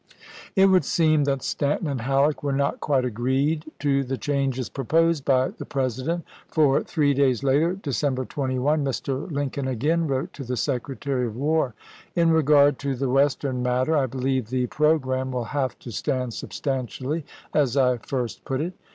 It would seem that Stanton and HaUeck were not quite agreed to the changes proposed by the President ; for three days later, December 21, Mr, ises. Lincoln again wrote to the Secretary of War, " In regard to the Western matter I believe the pro gramme wiU have to stand substantially as I first put it.